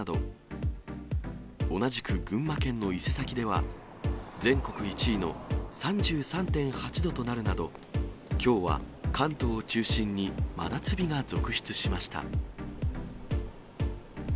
同じく群馬県の伊勢崎では、全国１位の３３．８度となるなど、きょうは関東を中心に、真夏日が続出しました。